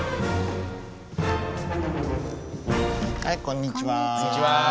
はいこんにちは。